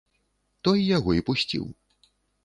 Той яго і пусціў.